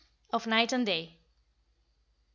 OF NIGHT AND DAY. 10.